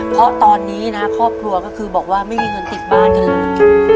เพราะตอนนี้นะครอบครัวก็คือบอกว่าไม่มีเงินติดบ้านกันเลย